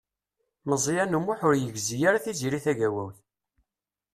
Meẓyan U Muḥ ur yegzi ara Tiziri Tagawawt.